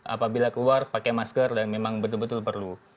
apabila keluar pakai masker dan memang betul betul perlu